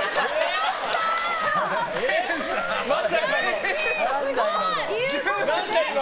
まさかの。